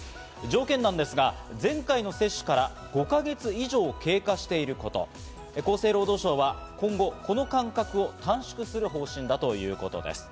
条件なんですが、前回の接種から５か月以上経過していること、厚生労働省は今後、この間隔を短縮する方針だということです。